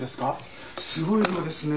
すごい量ですね。